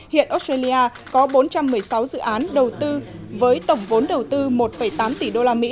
hiện australia có bốn trăm một mươi sáu dự án đầu tư với tổng vốn đầu tư một tám tỷ usd